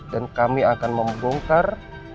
dan kami akan membongkar